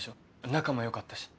仲も良かったし。